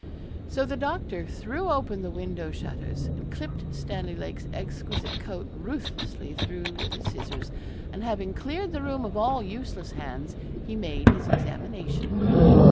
So the doctor threw open the window shutters, and clipped Stanley Lake's exquisite coat ruthlessly through with his scissors, and having cleared the room of all useless hands, he made his examination.